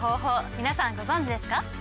皆さんご存じですか？